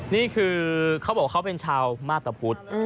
นี่คือเขาบอกเขาเป็นชาวมาตรพุทธ